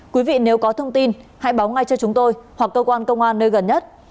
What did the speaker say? quý vị nếu có thông tin hãy báo ngay cho chúng tôi hoặc cơ quan công an nơi gần nhất